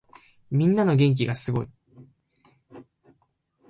みんなの元気がすごい。